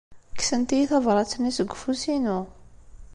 Kksent-iyi tabṛat-nni seg ufus-inu.